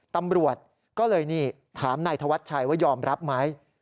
ตำรวจก็เลยนี่ถามนายธวัชชัยว่ายอมรับไหม